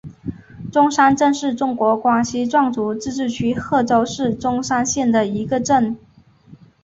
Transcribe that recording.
钟山镇是中国广西壮族自治区贺州市钟山县的一个镇。